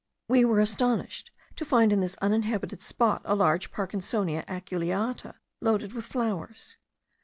We were astonished to find in this uninhabited spot a large Parkinsonia aculeata loaded with flowers.